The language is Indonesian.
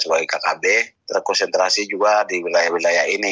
sebagai kkb terkonsentrasi juga di wilayah wilayah ini